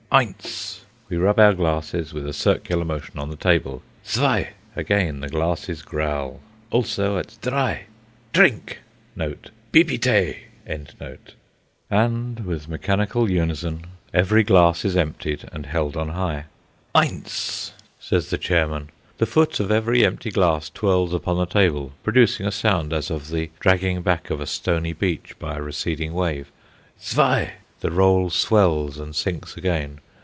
"Eins!" We rub our glasses with a circular motion on the table. "Zwei!" Again the glasses growl; also at "Drei!" "Drink!" ("Bibite!") And with mechanical unison every glass is emptied and held on high. "Eins!" says the chairman. The foot of every empty glass twirls upon the table, producing a sound as of the dragging back of a stony beach by a receding wave. "Zwei!" The roll swells and sinks again.